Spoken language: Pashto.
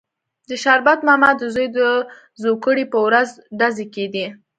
د شربت ماما د زوی د زوکړې پر ورځ ډزې کېدې.